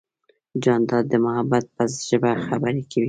جانداد د محبت په ژبه خبرې کوي.